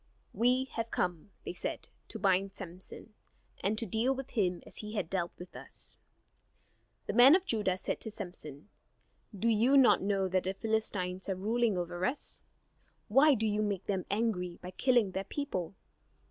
"We have come," they said, "to bind Samson, and to deal with him as he has dealt with us." The men of Judah said to Samson: "Do you not know that the Philistines are ruling over us? Why do you make them angry by killing their people?